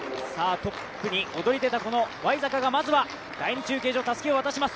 トップに躍り出たワイザカが第２中継所、たすきを渡します。